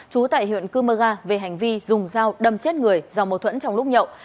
chú tại huyện cơ mơ ga về hành vi dùng dao đâm chết người do mâu thuẫn trong lúc nhậu